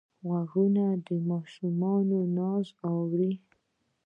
غوږونه د ماشوم ناز اوري